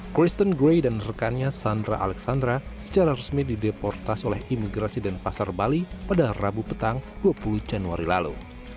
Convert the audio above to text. kristen gray dan rekannya sandra alexandra secara resmi dideportas oleh imigrasi dan pasar bali pada rabu petang dua puluh januari lalu